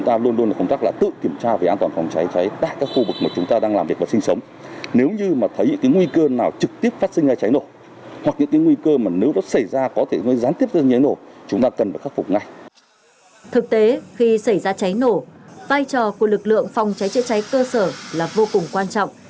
thực tế khi xảy ra cháy nổ vai trò của lực lượng phòng cháy chữa cháy cơ sở là vô cùng quan trọng